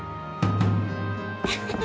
フフフ。